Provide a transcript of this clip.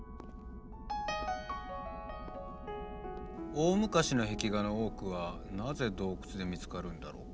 大昔の壁画の多くはなぜ洞窟で見つかるんだろうか。